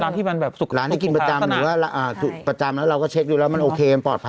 ร้านที่มันสุขประจำประจำแล้วเราก็เช็คดูแล้วมันโอเคปลอดภัย